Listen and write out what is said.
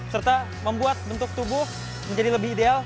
serta membuat bentuk tubuh menjadi lebih ideal